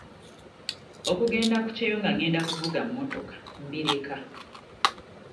Okugenda ku kyeyo nga ngenda kuvuga mmotoka mbireka.